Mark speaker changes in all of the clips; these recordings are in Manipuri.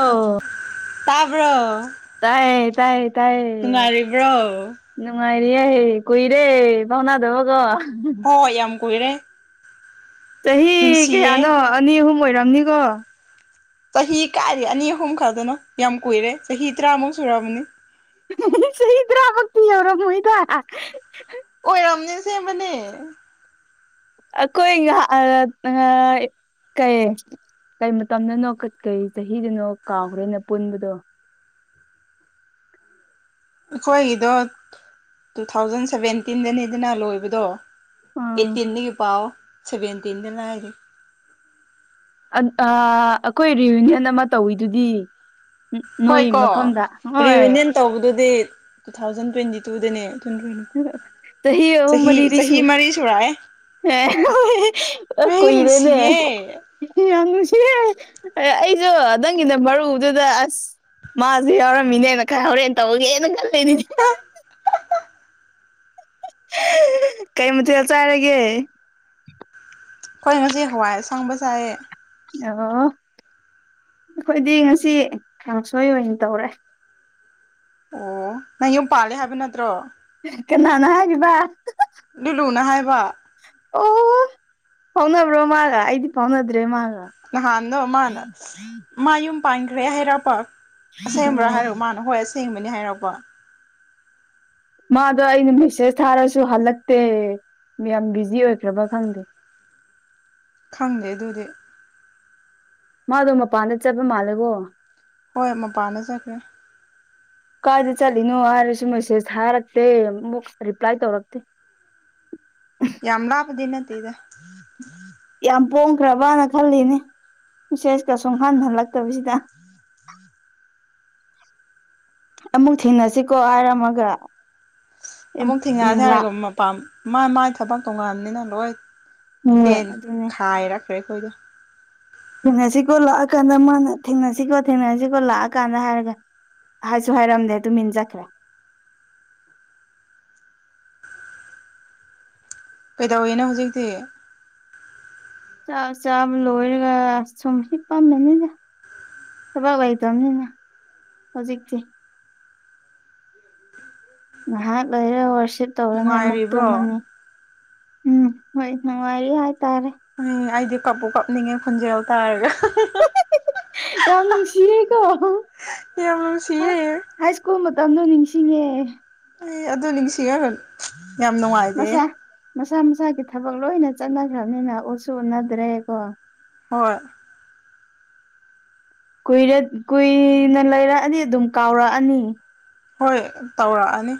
Speaker 1: ꯑꯥꯎ
Speaker 2: ꯇꯥꯕ꯭ꯔꯣ
Speaker 1: ꯇꯌꯦ ꯇꯥꯏꯌꯦ ꯇꯌꯦ
Speaker 2: ꯅꯨꯡꯉꯥꯏꯔꯤꯕ꯭ꯔꯣ
Speaker 1: ꯅꯨꯡꯉꯥꯏꯔꯤ ꯌꯥꯏꯍꯦ ꯀꯨꯏꯔꯦ ꯄꯥꯎꯅꯗꯕꯀꯣ
Speaker 2: ꯍꯣꯏ ꯌꯥꯝ ꯀꯨꯏꯔꯦ
Speaker 1: ꯆꯍꯤ
Speaker 2: ꯅꯨꯡꯁꯤꯌꯦ
Speaker 1: ꯀꯌꯥꯅꯣ ꯑꯅꯤ ꯑꯍꯨꯝ ꯑꯣꯏꯔꯝꯅꯤꯀꯣ
Speaker 2: ꯆꯍꯤ ꯀꯥꯏꯔꯤ ꯑꯅꯤ ꯑꯍꯨꯝ ꯈꯛꯅ ꯌꯥꯝ ꯀꯨꯏꯔꯦ ꯆꯍꯤ ꯇꯔꯥꯃꯨꯛ ꯁꯨꯑꯔꯕꯅꯤ
Speaker 1: ꯁꯤꯗ꯭ꯔꯥꯃꯛꯇꯤ ꯌꯧꯔꯝꯃꯣꯏꯗ
Speaker 2: ꯑꯣꯏꯔꯝꯅꯦ ꯁꯦꯝꯕꯅꯦ
Speaker 1: ꯑꯀꯣꯏ ꯀꯩ ꯀꯩ ꯃꯇꯝꯗꯅꯣ ꯀꯔꯤ ꯆꯍꯤꯗꯅꯣ ꯀꯥꯎꯈ꯭ꯔꯦꯅ ꯄꯨꯟꯕꯗꯣ
Speaker 2: ꯑꯩꯈꯣꯏꯒꯤꯗꯣ ꯇꯨ ꯊꯥꯎꯖꯟ ꯁꯕꯦꯟꯇꯤꯟꯗꯅꯤꯗꯅ ꯂꯣꯏꯕꯗꯣ
Speaker 1: ꯑꯪ
Speaker 2: ꯑꯩꯠꯇꯤꯟꯗꯒꯤ ꯄꯥꯎꯑꯣ ꯁꯦꯚꯦꯟꯇꯤꯟꯗ ꯂꯥꯏꯔꯤ
Speaker 1: ꯑꯩꯈꯣꯏ ꯔꯤꯌꯨꯅꯤꯌꯟ ꯑꯃ ꯇꯧꯋꯤꯗꯨꯗꯤ ꯎ ꯅꯣꯏ
Speaker 2: ꯍꯣꯏ ꯀꯣ
Speaker 1: ꯃꯐꯝꯗ ꯍꯣꯏ
Speaker 2: ꯔꯤꯌꯨꯅꯤꯌꯟ ꯇꯧꯕꯗꯨꯗꯤ ꯇꯨ ꯊꯥꯎꯖꯟ ꯇ꯭ꯋꯦꯟꯇꯤ ꯇꯨꯗꯅꯦ ꯆꯍꯤ ꯆꯍꯤ ꯃꯔꯤ ꯁꯨꯔꯑ
Speaker 1: ꯍ ꯀꯣꯏꯔꯦꯅꯦ
Speaker 2: ꯅꯨꯡꯁꯤꯌꯦ ꯑꯩꯈꯣꯏ
Speaker 1: ꯌꯥꯝ ꯅꯨꯡꯁꯤꯌꯦꯦ ꯑꯩꯁꯨ ꯅꯪꯒꯤꯅ ꯃꯔꯨꯗꯨꯗ ꯑꯁ ꯃꯥꯁꯨ ꯌꯥꯎꯔꯝꯃꯤꯅꯦꯅ ꯈꯔ ꯍꯣꯔꯦꯟ ꯇꯧꯒꯦꯅ ꯈꯟ ꯂꯩꯅꯤꯅꯦ ꯀꯩ ꯃꯊꯦꯜ ꯆꯥꯏꯔꯒꯦ
Speaker 2: ꯑꯩꯣꯏꯅꯁꯦ ꯍꯋꯥꯏꯁꯥꯡꯕꯖꯥꯏꯌꯦ
Speaker 1: ꯑꯣ ꯑꯩꯈꯣꯏꯗꯤ ꯉꯁꯤ ꯀꯥꯡꯁꯣꯏ ꯑꯣꯏꯅ ꯇꯧꯔꯦ
Speaker 2: ꯑꯣ ꯅꯪ ꯌꯨꯝ ꯄꯥꯜꯂꯦ ꯍꯥꯏꯕ ꯅꯠꯇ꯭ꯔꯣ
Speaker 1: ꯀꯅꯥꯅꯥ ꯍꯥꯏꯔꯤꯕ
Speaker 2: ꯂꯤꯠꯂꯨꯅ ꯍꯥꯏꯕ
Speaker 1: ꯑꯣ ꯐꯥꯎꯅꯕ꯭ꯔꯣ ꯃꯥꯒ ꯑꯩꯗꯤ ꯐꯥꯎꯅꯗ꯭ꯔꯦ ꯃꯥꯒ
Speaker 2: ꯅꯍꯥꯟꯗꯣ ꯃꯥꯅ ꯃꯥ ꯌꯨꯝ ꯄꯥꯟꯈ꯭ꯔꯦ ꯍꯥꯏꯔꯛꯄ ꯑꯁꯦꯡꯕ꯭ꯔꯥ
Speaker 1: ꯑꯣ
Speaker 2: ꯍꯥꯏ [unintelligible] ꯍꯣꯏ ꯑꯁꯦꯡꯕꯅꯦ ꯍꯥꯏꯔꯛꯄ
Speaker 1: ꯃꯥꯗꯣ ꯑꯩꯅ ꯃꯦꯁꯦꯁ ꯊꯥꯔꯁꯨ ꯍꯜꯂꯛꯇꯦ ꯌꯥꯝ ꯕꯤꯖꯤ ꯑꯣꯏꯈ꯭ꯔꯕ ꯈꯪꯗꯦ
Speaker 2: ꯈꯪꯗꯦ ꯑꯗꯨꯗꯤ
Speaker 1: ꯃꯥꯗꯣ ꯃꯄꯥꯟꯗ ꯆꯠꯄ ꯃꯥꯂꯦꯀꯣ
Speaker 2: ꯍꯣꯏ ꯃ ꯄꯥꯟꯅꯖꯈ꯭ꯔꯦ
Speaker 1: ꯀꯥꯏꯗ ꯆꯠꯂꯤꯅꯣ ꯍꯥꯏꯔꯁꯨ ꯃꯦꯁꯦꯁ ꯊꯥꯔꯛꯇꯦ ꯑꯃꯨꯛ ꯔꯤꯄ꯭ꯂꯥꯏ ꯇꯧꯔꯛꯇꯦ
Speaker 2: ꯌꯥꯝꯃ ꯂꯕꯗꯤꯤꯟꯠꯇꯗ
Speaker 1: ꯌꯥꯝ ꯄꯣꯡꯈ꯭ꯔꯕꯅ ꯈꯜꯂꯤꯅꯦ ꯁꯦꯁꯀ ꯁꯨꯝ ꯍꯟꯊꯜꯂꯛꯇꯕꯁꯤꯗ ꯑꯃꯨꯛ ꯊꯦꯡꯅꯁꯤꯀꯣ ꯍꯥꯏꯔꯝꯃꯒ ꯎꯝ
Speaker 2: ꯑꯃꯨꯛ ꯊꯦꯡꯉꯛꯑꯁꯦ
Speaker 1: ꯂꯥꯛ
Speaker 2: ꯍꯥꯏꯔꯒꯣ ꯃꯥ ꯃꯥꯏ ꯊꯕꯛ ꯇꯣꯡꯉꯟꯕꯅꯤꯅ ꯂꯣꯏ
Speaker 1: ꯍꯣꯏ
Speaker 2: ꯆꯦꯟ
Speaker 1: ꯑꯗꯨꯅꯦ
Speaker 2: ꯈꯥꯏꯔꯛꯈ꯭ꯔꯦ ꯑꯩꯈꯣꯏꯗꯣ
Speaker 1: ꯊꯦꯡꯅꯁꯤꯀꯣ ꯂꯥꯛꯑꯀꯥꯟꯗ ꯃꯥꯅ ꯊꯦꯡꯅꯁꯤꯀꯣ ꯊꯦꯡꯅꯁꯤꯀꯣ ꯂꯥꯛꯑꯀꯥꯟꯗ ꯍꯥꯏꯔꯒ ꯍꯥꯏꯁꯨ ꯍꯥꯏꯔꯝꯗꯦ ꯇꯨꯃꯤꯟ ꯆꯠꯈ꯭ꯔꯦ
Speaker 2: ꯀꯩꯗꯧꯔꯤꯅꯣ ꯍꯧꯖꯤꯛꯇꯤ
Speaker 1: ꯆꯥꯛ ꯆꯥꯕ ꯂꯣꯏꯔꯒ ꯁꯨꯝ ꯍꯤꯞꯄꯝꯕꯅꯤꯗ ꯊꯕꯛ ꯂꯩꯇꯝꯅꯤꯅ ꯍꯧꯖꯤꯛꯇꯤ ꯉꯥꯏꯍꯥꯛ ꯂꯩꯔ ꯋꯔꯁꯤꯞ ꯇꯧꯔꯅꯤ ꯑꯃꯨꯛ
Speaker 2: ꯅꯨꯡꯉꯥꯏꯔꯤꯕ꯭ꯔꯣ
Speaker 1: ꯇꯨꯝꯃꯅꯤ ꯎꯝ ꯍꯣꯏ ꯅꯨꯡꯉꯥꯏꯔꯤ ꯍꯥꯏ ꯇꯔꯦ
Speaker 2: ꯎꯝ ꯑꯩꯗꯤ ꯀꯞꯄꯨ ꯀꯞꯅꯤꯡꯉꯦ ꯈꯣꯟꯖꯦꯜ ꯇꯥꯔꯒ
Speaker 1: ꯌꯥꯝ ꯅꯨꯡꯁꯤꯌꯦꯀꯣ
Speaker 2: ꯌꯥꯝ ꯅꯨꯡꯁꯤꯌꯦ
Speaker 1: ꯍꯥꯏ ꯁ꯭ꯀꯨꯜ ꯃꯇꯝꯗꯣ ꯅꯤꯡꯁꯤꯡꯉꯦ
Speaker 2: ꯑꯦ ꯑꯗꯨ ꯅꯤꯡꯁꯤꯡꯉꯒ ꯌꯥꯝ ꯅꯨꯡꯉꯥꯏꯌꯦ
Speaker 1: ꯃꯁꯥ ꯃꯁꯥ ꯃꯁꯥꯒꯤ ꯊꯕꯛ ꯂꯣꯏꯅ ꯆꯠꯅꯈ꯭ꯔꯕꯅꯤꯅ ꯎꯁꯨ ꯎꯅꯗ꯭ꯔꯦ ꯀꯣ
Speaker 2: ꯍꯣꯏ
Speaker 1: ꯀꯨꯏꯔꯦ ꯀꯨꯏꯅ ꯂꯩꯔꯛꯑꯅꯤ ꯑꯗꯨꯝ ꯀꯥꯎꯔꯛꯑꯅꯤ
Speaker 2: ꯍꯣꯏ ꯇꯧꯔꯛꯑꯅꯤ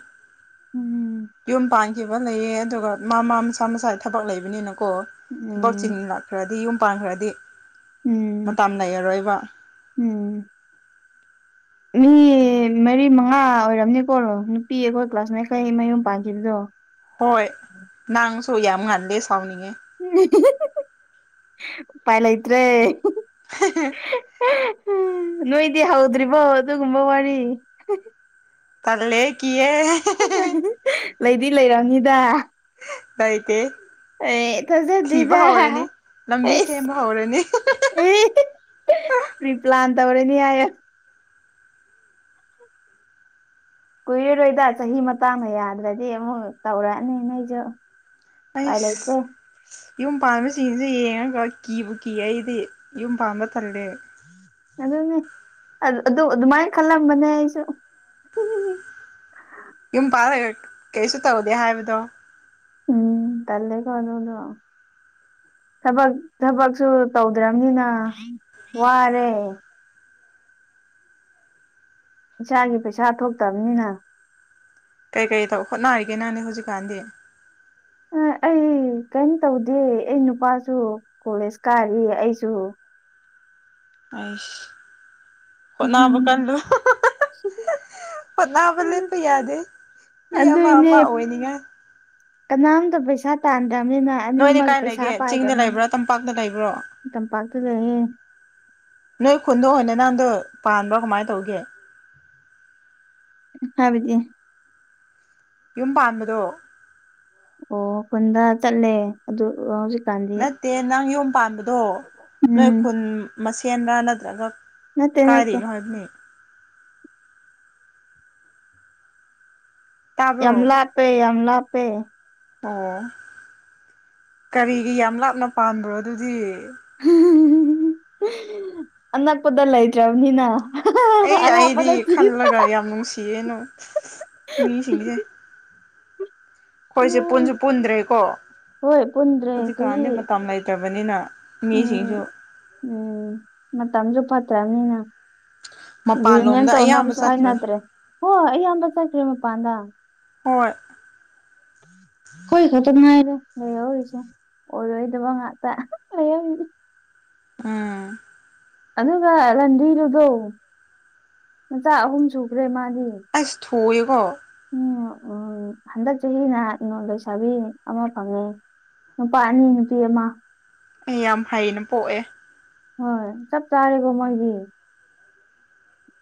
Speaker 1: ꯎꯝ
Speaker 2: ꯌꯨꯝ ꯄꯥꯟ ꯈꯤꯕ ꯂꯩꯌꯦ ꯑꯗꯨꯒ ꯃꯥ ꯃꯥ ꯃꯁꯥ ꯃꯁꯥ ꯊꯕꯛ ꯂꯩꯕꯅꯤꯅꯥ ꯀꯣ ꯊꯝꯕꯛ
Speaker 1: ꯎꯝ
Speaker 2: ꯆꯤꯟꯅ ꯈ꯭ꯔꯗꯤ ꯌꯨꯝ ꯄꯥꯟꯈ꯭ꯔꯗꯤ
Speaker 1: ꯎꯝ
Speaker 2: ꯃꯇꯝ ꯂꯩꯔꯔꯣꯏꯕ
Speaker 1: ꯎꯝ ꯃꯤ ꯀꯨꯟ ꯃꯔꯤ ꯃꯉꯥ ꯑꯣꯏꯔꯝꯅꯤꯀꯣ ꯅꯨꯄꯤ ꯑꯩꯈꯣꯏ ꯀ꯭ꯂꯥꯁ ꯃꯈꯩ ꯃꯌꯨꯝ ꯄꯥꯟꯈꯤꯕꯗꯣ
Speaker 2: ꯍꯣꯏ ꯅꯪꯁꯨ ꯌꯥꯝ ꯉꯜꯂꯦ ꯁꯥꯎꯅꯤꯡꯉꯦ
Speaker 1: ꯎꯄꯥꯏ ꯂꯩꯇ꯭ꯔꯦ
Speaker 2: ꯍ [unintelligible]
Speaker 1: ꯅꯣꯏꯗꯤ ꯍꯧꯗ꯭ꯔꯤꯕꯣ ꯑꯗꯨꯒꯨꯝꯕ ꯋꯥꯔꯤ
Speaker 2: ꯇꯜꯂꯦ ꯀꯤꯌꯦ
Speaker 1: ꯂꯩꯗꯤ ꯂꯩꯔꯝꯅꯤꯗ
Speaker 2: ꯂꯩꯇꯦ
Speaker 1: ꯑꯦ
Speaker 2: ꯊꯤꯕ
Speaker 1: ꯊꯖꯗꯦꯗꯥ
Speaker 2: ꯍꯧꯔꯅꯤ ꯂꯝꯕꯤ ꯁꯦꯝꯕ ꯍꯧꯔꯅꯤ
Speaker 1: ꯄꯔꯤ ꯄ꯭ꯂꯥꯟ ꯇꯧꯔꯅꯤ ꯍꯥꯏꯌꯦ ꯀꯨꯏꯔꯔꯣꯏꯗ ꯆꯍꯤ ꯃꯇꯥꯡꯅ ꯌꯥꯗ꯭ꯔꯗꯤ ꯑꯃꯨꯛ ꯇꯧꯔꯛꯑꯅꯤ ꯅꯣꯏꯖꯨ
Speaker 2: ꯑꯩꯁ ꯌꯨꯝ ꯄꯥꯟꯕꯁꯤꯡꯁꯦ ꯌꯦꯡꯉꯒ ꯀꯤꯕꯨ ꯀꯤ ꯑꯩꯗꯤ ꯌꯨꯝ ꯄꯥꯟꯕ ꯇꯜꯂꯦ
Speaker 1: ꯑꯗꯨꯅꯦ ꯑꯗꯨ ꯑꯗꯨꯃꯥꯏꯅ ꯈꯜꯂꯝꯕꯅꯦ ꯑꯩꯁꯨ
Speaker 2: ꯌꯨꯝ ꯄꯥꯜ ꯀꯩꯁꯨ ꯇꯧꯗꯦ ꯍꯥꯏꯕꯗꯣ
Speaker 1: ꯎꯝ ꯇꯜꯂꯦꯀꯣ ꯑꯗꯨꯗꯣ ꯊꯕꯛ ꯊꯕꯛꯁꯨ ꯇꯧꯗ꯭ꯔꯕꯅꯤꯅ ꯋꯥꯔꯦ ꯏꯁꯥꯒꯤ ꯄꯩꯁꯥ ꯊꯣꯛꯇꯝꯅꯤꯅ
Speaker 2: ꯀꯩ ꯀꯩ ꯇꯧ ꯍꯣꯠꯅꯔꯤꯒꯦ ꯅꯪꯗꯤ ꯍꯧꯖꯤꯛꯀꯥꯟꯗꯤ
Speaker 1: ꯑꯥ ꯑꯩ ꯀꯩꯝ ꯇꯧꯗꯦ ꯑꯩ ꯅꯨꯄꯥꯁꯨ ꯀꯣꯂꯦꯖ ꯀꯥꯏꯔꯤ ꯑꯩꯁꯨ
Speaker 2: ꯑꯩꯁ ꯍꯣꯠꯅꯕ ꯀꯜꯂꯨ ꯑꯣꯠꯅꯕ ꯂꯦꯞꯄ ꯌꯥꯗꯦ ꯃꯤ ꯑꯃ
Speaker 1: ꯑꯗꯨꯏꯅꯦ
Speaker 2: ꯑꯃ ꯑꯣꯏꯅꯤꯉꯥꯏ
Speaker 1: ꯀꯅꯥꯝꯇ ꯄꯩꯁꯥ ꯇꯥꯟꯗ꯭ꯔꯝꯅꯤꯅ
Speaker 2: ꯅꯣꯏꯗꯤ ꯀꯥꯏ ꯂꯩꯒꯦ ꯆꯤꯡꯗ ꯂꯩꯕ꯭ꯔꯥ ꯇꯝꯄꯥꯛꯇ ꯂꯩꯕ꯭ꯔꯣ
Speaker 1: ꯇꯝꯄꯥꯛꯇ ꯂꯩꯌꯦ
Speaker 2: ꯅꯣꯏ ꯈꯨꯟꯗ ꯑꯣꯏꯅ ꯅꯪꯗꯣ ꯄꯥꯟꯕ꯭ꯔꯣ ꯀꯃꯥꯏ ꯇꯧꯒꯦ
Speaker 1: ꯍꯥꯏꯕꯗꯤ
Speaker 2: ꯌꯨꯝ ꯄꯥꯟꯕꯗꯣ
Speaker 1: ꯑꯣ ꯈꯨꯟꯗ ꯆꯠꯂꯦ ꯑꯗꯨ [unintelligible]
Speaker 2: ꯅꯠꯇꯦ ꯅꯪ ꯌꯨꯝ ꯄꯥꯟꯕꯗꯣ ꯅꯣꯏ
Speaker 1: ꯎꯝ
Speaker 2: ꯈꯨꯟ ꯃꯁꯦꯟꯔꯥ ꯅꯠꯇ꯭ꯔꯒ
Speaker 1: ꯅꯠꯇꯦ ꯅꯠꯇꯦ
Speaker 2: ꯀꯥꯏꯔꯤꯅꯣ ꯍꯥꯏ [unintelligible]
Speaker 1: ꯌꯥꯝ
Speaker 2: ꯇꯥꯕ꯭ꯔꯣ
Speaker 1: ꯂꯥꯞꯄꯦ ꯌꯥꯝ ꯂꯥꯞꯄꯦ
Speaker 2: ꯑꯣ ꯀꯔꯤꯒꯤ ꯌꯥꯝ ꯂꯥꯞꯅ ꯄꯥꯟꯕ꯭ꯔꯣ ꯑꯗꯨꯗꯤ
Speaker 1: ꯑꯅꯛꯄꯗ ꯂꯩꯇ꯭ꯔꯕꯅꯤꯅ
Speaker 2: ꯑꯩ ꯑꯩꯗꯤ
Speaker 1: ꯑꯔꯥꯞꯄꯗ ꯊꯤꯕ
Speaker 2: ꯈꯜꯂꯒ ꯌꯥꯝ ꯅꯨꯡꯁꯤꯌꯦꯅ ꯃꯤꯁꯤꯡꯁꯦ ꯑꯩꯈꯣꯏꯁꯦ ꯄꯨꯟꯁꯨ ꯄꯨꯟꯗ꯭ꯔꯦꯀꯣ
Speaker 1: ꯍꯣꯏ ꯄꯨꯟꯗ꯭ꯔꯦ ꯆꯍꯤ
Speaker 2: ꯍꯧꯖꯤꯛꯀꯥꯟꯗꯤ ꯃꯇꯝ ꯂꯩꯇꯕꯅꯤꯅ ꯃꯤꯁꯤꯡꯁꯨ
Speaker 1: ꯎꯝ ꯎꯝ ꯃꯇꯝꯁꯨ ꯐꯠꯇ꯭ꯔꯕꯅꯤꯅ ꯔꯤꯌꯨꯅꯤꯌꯟ
Speaker 2: ꯃꯄꯥꯟꯂꯣꯝꯗ ꯑꯌꯥꯝꯕ
Speaker 1: ꯇꯧꯅꯕꯁꯨ
Speaker 2: ꯆꯠꯈ꯭ꯔꯦ
Speaker 1: ꯍꯥꯏꯅꯗ꯭ꯔꯦ ꯍꯣꯏ ꯑꯩꯌꯥꯝꯕ ꯆꯠꯈ꯭ꯔꯦ ꯃꯄꯥꯟꯗ
Speaker 2: ꯍꯣꯏ
Speaker 1: ꯑꯩꯈꯣꯏ ꯈꯛꯇ ꯉꯥꯏꯔꯦ ꯂꯩꯍꯧꯔꯤꯁꯦ ꯑꯣꯏꯔꯣꯏꯗꯕ ꯉꯥꯛꯇ ꯂꯩꯍꯧꯔꯤꯗꯤ
Speaker 2: ꯎꯝ
Speaker 1: ꯑꯗꯨꯒ ꯔꯟꯗꯤꯗꯨꯗꯣ ꯃꯆꯥ ꯑꯍꯨꯝ ꯁꯨꯈ꯭ꯔꯦ ꯃꯥꯗꯤ
Speaker 2: ꯑꯩꯁ ꯊꯣꯛꯑꯦꯀꯣ
Speaker 1: ꯎꯝ ꯎꯝ ꯍꯟꯗꯛ ꯆꯍꯤꯅ ꯅꯣꯡ ꯂꯩꯁꯥꯕꯤ ꯑꯃ ꯐꯪꯉꯦ ꯅꯨꯄꯥ ꯑꯅꯤ ꯅꯨꯄꯤ ꯑꯃ
Speaker 2: ꯑꯩ ꯌꯥꯝ ꯍꯩꯅ ꯄꯣꯛꯑꯦ
Speaker 1: ꯍꯣꯏ ꯆꯞ ꯆꯥꯔꯦꯒꯣ ꯃꯣꯏꯗꯤ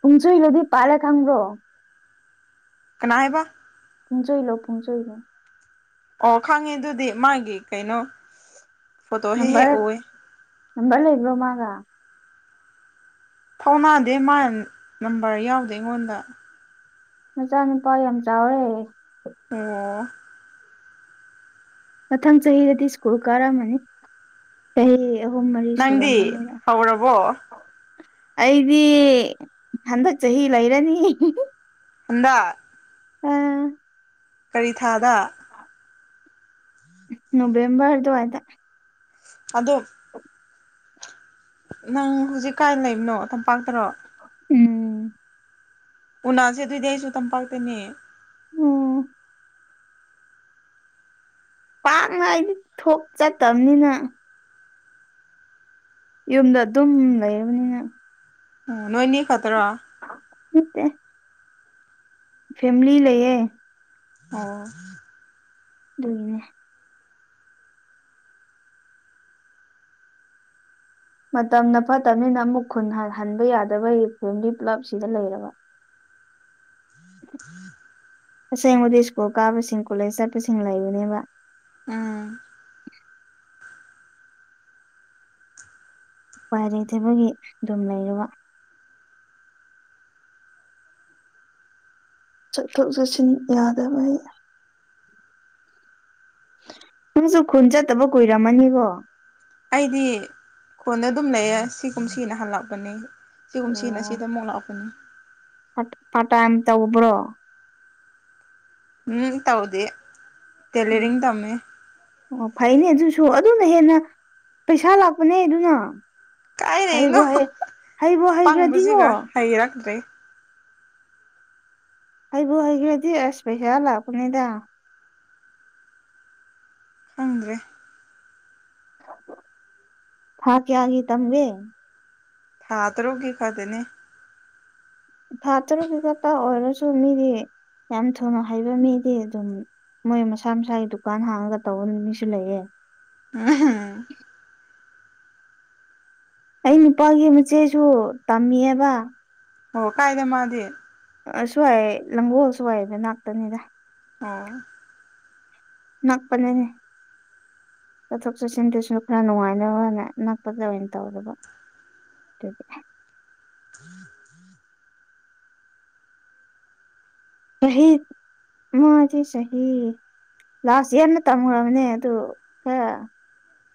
Speaker 1: ꯄꯨꯡꯁꯣꯏꯂꯣꯗꯤ ꯄꯥꯜꯂꯦ ꯈꯪꯕ꯭ꯔꯣ
Speaker 2: ꯀꯅꯥꯑꯩꯕ
Speaker 1: ꯄꯨꯨꯡꯆꯣꯏꯂꯣ ꯄꯨꯨꯡꯆꯣꯏꯂꯣ
Speaker 2: ꯑꯣ ꯈꯪꯉꯦ ꯑꯗꯨꯗꯤ ꯃꯥꯒꯤ ꯀꯩꯅꯣ ꯐꯣꯇꯣ ꯍꯦꯛ ꯍꯦꯛ
Speaker 1: ꯅꯝꯕꯔ
Speaker 2: ꯎꯑꯦ
Speaker 1: ꯅꯝꯕꯔ ꯂꯩꯕ꯭ꯔꯣ ꯃꯒꯥ
Speaker 2: ꯐꯧꯅꯥꯗꯦ ꯃꯥ ꯅꯝꯕꯔ ꯌꯥꯎꯗꯦ ꯑꯩꯉꯣꯟꯗ
Speaker 1: ꯃꯆꯥ ꯅꯨꯨꯄꯥ ꯌꯥꯝ ꯆꯥꯎꯔꯦ
Speaker 2: ꯑꯣ
Speaker 1: ꯃꯊꯪ ꯆꯍꯤꯗꯗꯤ ꯁ꯭ꯀꯨꯜ ꯀꯥꯔꯝꯃꯅꯤ ꯇꯍꯤ ꯑꯍꯨꯝ ꯃꯔꯤ
Speaker 2: ꯅꯪꯗꯤ
Speaker 1: ꯁꯨꯔꯝꯃꯅꯤꯔ
Speaker 2: ꯍꯧꯔꯕꯣ
Speaker 1: ꯑꯩꯗꯤ ꯍꯟꯗꯛ ꯆꯍꯤ ꯂꯩꯔꯅꯤ
Speaker 2: ꯍꯟꯗꯛ
Speaker 1: ꯎꯝ
Speaker 2: ꯀꯔꯤ ꯊꯥꯗ
Speaker 1: ꯅꯣꯕꯦꯝꯕꯔ ꯑꯗꯨꯋꯥꯗ
Speaker 2: ꯑꯗꯣ ꯅꯪ ꯍꯧꯖꯤꯛ ꯀꯥꯏ ꯂꯩꯕꯅꯣ ꯇꯝꯄꯥꯛꯇꯔꯣ
Speaker 1: ꯎꯝ
Speaker 2: ꯎꯅꯥꯁꯦ ꯑꯗꯨꯏꯗꯤ ꯑꯩꯁꯨ ꯇꯝꯄꯥꯛꯇꯅꯦ
Speaker 1: ꯎꯝ ꯄꯥꯛꯅꯥꯏꯗꯤ ꯊꯣꯛ ꯆꯠꯇꯕꯅꯤꯅ ꯌꯨꯝꯗ ꯑꯗꯨꯝ ꯂꯩꯔꯕꯅꯤꯅ
Speaker 2: ꯎꯝ ꯅꯣꯏꯅꯦꯦꯛ ꯈꯠꯇ꯭ꯔꯣ
Speaker 1: ꯃꯠꯇꯦ ꯐꯦꯃꯤꯂꯤ ꯂꯩꯌꯦꯦ
Speaker 2: ꯑꯣ
Speaker 1: ꯑꯗꯨꯒꯤꯅꯦ ꯃꯇꯝꯅ ꯐꯠꯇꯕꯅꯤꯅ ꯑꯃꯨꯛ ꯈꯨꯟ ꯍꯟ ꯍꯟꯕ ꯌꯥꯗꯕꯒꯤ ꯐꯦꯃꯤꯂꯤ ꯄꯨꯂꯞ ꯁꯤꯗ ꯂꯩꯔꯕ [inaudible]
Speaker 2: [unintelligible]
Speaker 1: ꯇꯁꯦꯡꯕꯗꯤ ꯁ꯭ꯀꯨꯜ ꯀꯥꯕꯁꯤꯡ ꯀꯣꯂꯦꯖ ꯆꯠꯄꯁꯤꯡ ꯂꯩꯕꯅꯦꯕ
Speaker 2: ꯎꯝ
Speaker 1: ꯎ ꯄꯥꯏꯔꯩꯊꯕꯒꯤ ꯑꯗꯨꯝ ꯂꯩꯔꯨꯕ ꯆꯠꯊꯣꯛ ꯆꯠꯁꯤꯟ ꯌꯥꯗꯕ ꯅꯪꯁꯨ ꯈꯨꯟ ꯆꯠꯇꯕ ꯀꯨꯏꯔꯝꯃꯅꯤꯕꯣ
Speaker 2: ꯑꯩꯗꯤ ꯈꯣꯟꯅ ꯑꯗꯨꯝ ꯂꯩꯌꯦꯦ ꯁꯤꯒꯨꯝ ꯁꯤꯅ ꯍꯜꯂꯛꯄꯅꯤ ꯁꯤꯒꯨꯝ ꯁꯤꯅ ꯁꯤꯗ ꯃꯣꯛꯛꯂꯛꯄꯅꯤ
Speaker 1: ꯄ ꯄꯥꯇ ꯑꯦꯇ ꯑꯣꯕ꯭ꯔꯣ
Speaker 2: ꯎꯝ ꯇꯧꯗꯤ ꯇꯦꯂꯔꯤꯡ ꯇꯝꯃꯤ
Speaker 1: ꯑꯣ ꯐꯩꯅꯦ ꯑꯗꯨꯁꯨ ꯑꯗꯨꯅ ꯍꯦꯟꯅ ꯄꯩꯁꯥ ꯂꯥꯛꯄꯅꯦ ꯑꯗꯨꯅ
Speaker 2: ꯀꯥꯏꯗꯩꯅꯣ
Speaker 1: ꯍꯩꯕꯣ ꯍꯩ ꯍꯩꯕꯣ ꯍꯩꯈ꯭ꯔꯗꯤꯉꯣ
Speaker 2: ꯊꯌꯦ ꯔꯛꯗ
Speaker 1: ꯍꯕꯨ ꯍꯩꯒ꯭ꯔꯗꯤ ꯑꯁ ꯄꯩꯁꯥ ꯂꯥꯛꯄꯅꯤꯗ
Speaker 2: ꯐꯪꯗ꯭ꯔꯦ
Speaker 1: ꯊꯀꯦ ꯍꯥꯏꯒꯤꯦ ꯇꯝꯦ
Speaker 2: ꯊꯥ ꯇꯔꯣꯒꯤ ꯀꯗꯅꯦ
Speaker 1: ꯊꯥ ꯇꯔꯨꯛꯀꯤ ꯀꯛꯇ ꯑꯣꯏꯔꯁꯨ ꯃꯤꯗꯤ ꯌꯥꯝ ꯊꯨꯅ ꯍꯩꯕ ꯃꯤꯗꯤ ꯑꯗꯨꯝ ꯃꯣꯏ ꯃꯁꯥ ꯃꯁꯥꯒꯤ ꯗꯨꯀꯥꯟ ꯍꯥꯡꯉꯒ ꯇꯧꯕꯅꯤ ꯃꯤꯁꯨ ꯂꯩꯌꯦꯦ
Speaker 2: ꯎꯝ
Speaker 1: ꯑꯩ ꯅꯨꯄꯥꯒꯤ ꯃꯆꯦꯁꯨ ꯇꯝꯃꯤꯦꯕ
Speaker 2: ꯑꯣ ꯀꯥꯏꯗꯦ ꯃꯥꯗꯤꯦ
Speaker 1: ꯁꯨ꯭ꯋꯥꯏ ꯂꯪꯒꯣꯜꯁꯨꯋꯥꯏꯗ ꯉꯅꯥꯥꯛꯛꯇꯅꯤꯗ
Speaker 2: ꯑꯣ
Speaker 1: ꯅꯥꯥꯛꯄꯅꯦꯅꯦ ꯆꯠꯊꯣꯛ ꯆꯠꯁꯤꯟꯗꯨꯁꯨ ꯈꯔ ꯅꯨꯡꯉꯥꯏꯅꯕꯅ ꯅꯛꯄꯗ ꯑꯣꯏꯅ ꯇꯧꯔꯕ [inaudible] ꯁꯍꯤ ꯃꯥꯗꯤ ꯁꯍꯤ ꯂꯥꯁ ꯏꯌꯥꯔꯅ ꯇꯝꯈ꯭ꯔꯕꯅꯦ ꯑꯗꯨ ꯈ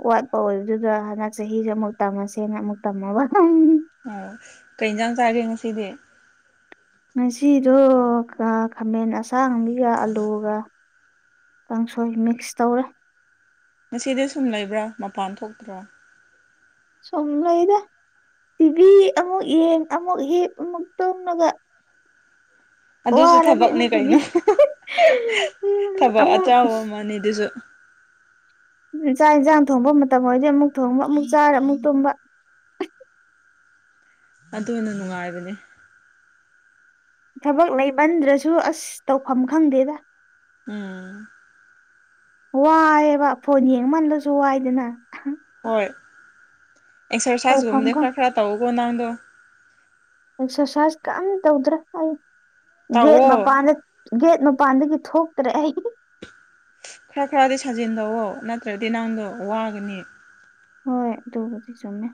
Speaker 1: ꯋꯥꯠꯄ ꯑꯣꯏꯕꯗꯨꯗ ꯍꯟꯗꯛ ꯆꯍꯤꯁꯦ ꯑꯃꯨꯛ ꯇꯝꯃꯁꯦꯅ ꯑꯃꯨꯛ ꯇꯝꯃꯒ
Speaker 2: ꯑꯣ ꯀꯩ ꯏꯟꯖꯥꯡ ꯆꯥꯒꯦ ꯉꯁꯤꯗꯤ
Speaker 1: ꯉꯁꯤꯗꯣ ꯈꯥꯃꯦꯟ ꯑꯁꯥꯡꯕꯤꯒ ꯑꯂꯨꯒ ꯀꯥꯡꯁꯣꯏ ꯃꯤꯛꯁ ꯇꯧꯔꯦ
Speaker 2: ꯉꯁꯤꯗꯤ ꯁꯨꯝ ꯂꯩꯕ꯭ꯔꯥ ꯃꯄꯥꯟ ꯊꯣꯛꯇ꯭ꯔꯣ
Speaker 1: ꯁꯣꯨꯝ ꯂꯩꯗ ꯇꯤꯚꯤ ꯑꯃꯨꯛ ꯌꯦꯟ ꯑꯃꯨꯛ ꯍꯦꯛꯞ ꯑꯃꯨꯛ ꯇꯧꯉꯒ
Speaker 2: ꯑꯗꯨꯁꯨ ꯊꯕꯛꯅꯤ
Speaker 1: ꯑꯃꯨꯛ
Speaker 2: ꯀꯩꯅꯣ
Speaker 1: ꯇꯨꯕꯤ
Speaker 2: ꯊꯕꯛ
Speaker 1: ꯑꯃꯨꯛ
Speaker 2: ꯑꯆꯕ ꯑꯃꯅꯤ ꯑꯗꯨꯁꯨ
Speaker 1: ꯆꯥꯛ ꯏꯟꯁꯥꯡ ꯊꯣꯡꯕ ꯃꯇꯝ ꯑꯣꯏꯔꯗꯤ ꯑꯃꯨꯛ ꯊꯣꯡꯕ ꯑꯃꯨꯛ ꯆꯥꯔ ꯑꯃꯨꯛ ꯇꯨꯝꯕ
Speaker 2: ꯑꯗꯨ ꯑꯣꯏꯅ ꯅꯨꯡꯉꯥꯏꯕꯅꯦ
Speaker 1: ꯊꯕꯛ ꯂꯩꯕꯟꯗ꯭ꯔꯁꯨ ꯑꯁ ꯇꯧꯐꯝ ꯈꯪꯗꯦꯗ
Speaker 2: ꯎꯝ
Speaker 1: ꯋꯥꯏꯑꯦꯕ ꯐꯣꯟ ꯌꯦꯡꯃꯜꯂꯁꯨ ꯋꯥꯏꯗꯅ
Speaker 2: ꯍꯣꯏ
Speaker 1: ꯇꯧꯐꯝ
Speaker 2: ꯑꯦꯛꯁꯔꯁꯥꯏꯁꯀꯨꯝꯕꯗ
Speaker 1: ꯈꯪ
Speaker 2: ꯈꯔ ꯈꯔ ꯇꯧꯀꯣ ꯅꯍꯪꯗꯣ
Speaker 1: ꯑꯦꯛꯁꯔꯁꯥꯏꯁ ꯀꯝ ꯇꯧꯗ꯭ꯔꯥ ꯑꯩ ꯒꯦꯠ
Speaker 2: ꯇꯧꯋꯣ
Speaker 1: ꯃꯄꯥꯟꯗ ꯒꯦꯠ ꯃꯄꯥꯟꯗꯒꯤ ꯊꯣꯛꯇ꯭ꯔꯦ ꯑꯩ
Speaker 2: ꯈꯔ ꯈꯔꯗꯤ ꯁꯥꯖꯤꯟꯗꯣꯛꯑꯣ ꯅꯠꯇ꯭ꯔꯗꯤ ꯅꯪꯗꯣ ꯋꯥꯒꯅꯤ
Speaker 1: ꯍꯣꯏ ꯑꯗꯨꯕꯨꯗꯤ ꯆꯨꯝꯃꯦ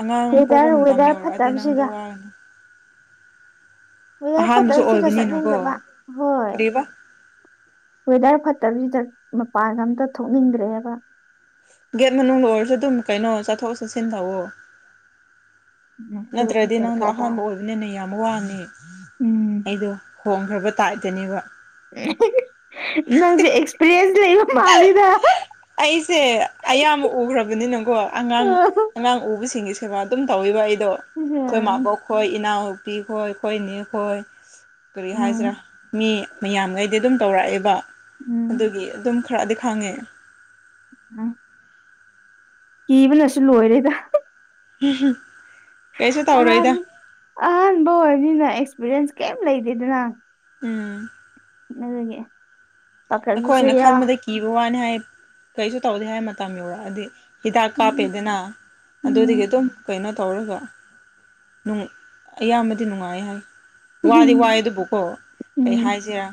Speaker 2: ꯑꯉꯥꯡ ꯄꯣꯛꯄ
Speaker 1: ꯋꯦꯗꯔ
Speaker 2: ꯃꯇꯝ
Speaker 1: ꯋꯦꯗꯔ
Speaker 2: ꯌꯧꯔꯛꯑꯗꯤ ꯅꯪꯗꯣ
Speaker 1: ꯐꯠꯇꯕꯁꯤꯒ
Speaker 2: ꯋꯥꯔꯅꯤ
Speaker 1: ꯋꯦꯌꯥꯔ ꯐꯠꯇꯕ
Speaker 2: ꯑꯍꯥꯟꯕꯁꯨ
Speaker 1: ꯍꯧꯖꯤꯒ ꯆꯠꯅꯤꯡꯗꯕ
Speaker 2: ꯑꯣꯏꯕꯅꯤꯅꯀꯣ
Speaker 1: ꯍꯣꯏ
Speaker 2: ꯀꯔꯤꯕ
Speaker 1: ꯋꯦꯗꯔ ꯐꯠꯇꯕꯁꯤꯗ ꯃꯄꯥꯟꯒ ꯑꯝꯇ ꯊꯣꯛꯅꯤꯡꯗ꯭ꯔꯦꯕ
Speaker 2: ꯒꯦꯠ ꯃꯅꯨꯡ ꯂ ꯑꯣꯏꯔꯁꯨ ꯑꯗꯨꯝ ꯀꯩꯅꯣ ꯆꯠꯊꯣꯛ ꯆꯠꯁꯤꯟ ꯇꯧꯑꯣ
Speaker 1: ꯎꯝ ꯑꯗꯨꯒꯤ
Speaker 2: ꯅꯠꯇ꯭ꯔꯗꯤ ꯅꯪꯗꯣ
Speaker 1: ꯗꯔꯀꯥꯔ ꯇꯥꯏ
Speaker 2: ꯑꯍꯥꯟꯕ ꯑꯣꯏ ꯑꯗꯨꯅꯅꯦ ꯌꯥꯝ ꯋꯥꯅꯤ
Speaker 1: ꯎꯝ
Speaker 2: ꯑꯩꯗꯣ ꯍꯣꯡꯈ꯭ꯔꯕ ꯇꯥꯏꯞꯇꯅꯦꯕ
Speaker 1: ꯅꯪꯁꯦ ꯑꯦꯛꯁꯄꯤꯔꯤꯌꯦꯟꯁ ꯂꯩꯕ ꯃꯥꯜꯂꯤꯗ
Speaker 2: ꯑꯩꯁꯦ ꯑꯌꯥꯝꯕ ꯎꯈ꯭ꯔꯕꯅꯤꯅꯀꯣ ꯑꯉꯥꯡ ꯑꯉꯥꯡ ꯎꯕꯁꯤꯡꯁꯨ ꯁꯦꯕꯥ ꯑꯗꯨꯝ ꯇꯧꯋꯕ ꯑꯩꯗꯣ ꯑꯩꯈꯣꯏ
Speaker 1: ꯎꯝ
Speaker 2: ꯃꯥꯕꯣꯛ ꯈꯣꯏ ꯏꯅꯥꯎꯅꯨꯄꯤ ꯈꯣꯏ ꯑꯩꯈꯣꯏ ꯏꯅꯤ ꯈꯣꯏ ꯀꯔꯤ
Speaker 1: ꯎꯝ
Speaker 2: ꯍꯥꯏꯁꯤꯔꯥ ꯃꯤ ꯃꯌꯥꯝꯈꯩꯗꯤ ꯑꯗꯨꯝ ꯇꯧꯔꯛꯑꯦꯕ
Speaker 1: ꯎꯝ
Speaker 2: ꯑꯗꯨꯒꯤ ꯑꯗꯨꯝ ꯈꯔꯥ ꯈꯥꯒꯦ
Speaker 1: ꯑ ꯀꯤꯕꯅꯁꯨ ꯂꯣꯏꯔꯦꯗ
Speaker 2: ꯎ
Speaker 1: ꯑꯍꯥꯟ ꯑꯍꯥꯟꯕ ꯑꯣꯏꯔꯅꯤꯅ ꯑꯦꯛꯁꯄꯤꯔꯤꯌꯦꯟꯁ ꯀꯩꯝ ꯂꯩꯗꯦꯗꯅ
Speaker 2: ꯎꯝ
Speaker 1: ꯑꯗꯨꯦ
Speaker 2: ꯑꯩꯈꯣꯏꯅ ꯈꯟꯕꯗ ꯀꯤꯕ ꯋꯥꯅꯤ ꯍꯥꯏ ꯀꯔꯤꯁꯨ ꯇꯧꯗꯦ ꯍꯥꯏ ꯃꯇꯝ ꯌꯧꯔꯛꯑꯗꯤ ꯍꯤꯗꯥꯛ
Speaker 1: ꯎꯝ
Speaker 2: ꯀꯥꯞꯄꯦꯗꯅ
Speaker 1: ꯎꯝ
Speaker 2: ꯑꯗꯨꯗꯒꯤ ꯑꯗꯨꯝ ꯀꯩꯅꯣ ꯇꯧꯔꯒꯅꯨꯡ ꯑꯌꯥꯝꯕꯗꯤ ꯅꯨꯡꯉꯥꯏ ꯍꯥꯏ ꯋꯥꯗꯤ ꯋꯥꯏꯦ
Speaker 1: ꯎꯝ
Speaker 2: ꯑꯗꯨꯕꯨꯀꯣ ꯀꯩ ꯍꯥꯏꯁꯤꯔꯥ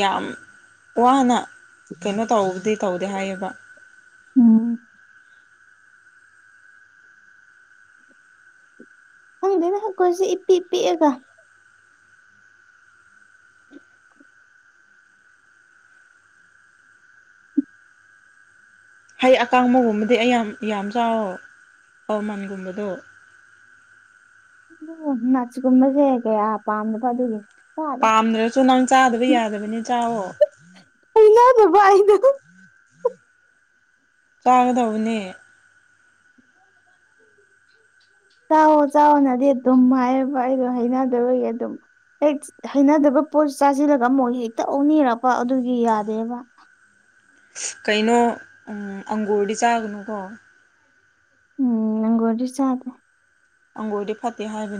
Speaker 2: ꯌꯥꯝ ꯋꯥꯅ ꯀꯩꯅꯣ ꯇꯧꯕꯗꯤ ꯇꯧꯗꯦ ꯍꯥꯏꯌꯦꯕ
Speaker 1: ꯎꯝ ꯈꯪꯗꯣꯏꯅ ꯍꯛꯈꯣꯏꯁꯦ ꯏꯄꯤ ꯄꯤꯛꯑꯒ
Speaker 2: ꯍꯩ ꯑꯀꯥꯡꯕꯒꯨꯝꯕꯗꯤ ꯑꯩ ꯌꯥꯝ ꯌꯥꯝ ꯆꯥꯎꯋꯣ ꯑꯋꯥꯃꯟꯒꯨꯝꯕꯗꯣ
Speaker 1: ꯅꯆꯀꯨꯝꯕꯁꯦ ꯀꯦ ꯄꯝꯗ ꯐ ꯑꯗꯨꯒꯦ
Speaker 2: ꯄꯥꯝꯗ꯭ꯔꯁꯨ ꯅꯪ ꯆꯥꯗꯕ ꯌꯥꯗꯕꯅꯤ ꯆꯥꯋꯣ
Speaker 1: ꯏꯩꯅꯅꯕ ꯏꯅ
Speaker 2: ꯆꯥꯒꯗꯧꯕꯅꯦ
Speaker 1: ꯆꯥꯛꯑꯣ ꯆꯥꯎꯥꯛꯑꯣꯅꯗꯤ ꯑꯗꯨꯝ ꯍꯥꯏꯌꯦꯕ ꯑꯩꯗꯣ ꯍꯩꯅꯗꯕꯒꯤ ꯑꯗꯨꯝ ꯍꯦꯛ ꯍꯩꯅꯗꯕ ꯄꯣꯠ ꯆꯥꯁꯤꯜꯂꯒ ꯃꯨꯣꯏ ꯍꯦꯛꯇ ꯑꯣꯅꯤꯔꯛꯄ ꯑꯗꯨꯒꯤ ꯌꯥꯗꯦꯕ
Speaker 2: ꯀꯩꯅꯣ ꯑꯪꯒꯨꯔꯗꯤ ꯆꯥꯒꯅꯨꯀꯣ
Speaker 1: ꯎꯝ ꯅꯪꯣ ꯋꯥꯔꯤ ꯆꯗꯦ
Speaker 2: ꯑꯪꯕꯨ ꯑꯣꯏꯗꯤ ꯐꯠꯇꯦ ꯍꯥꯏꯕꯅꯤ